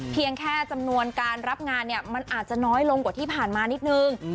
เพียงแค่จำนวนการรับงานเนี่ยมันอาจจะน้อยลงกว่าที่ผ่านมานิดนึง